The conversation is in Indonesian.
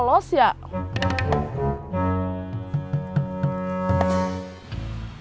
tadi copetnya lolos ya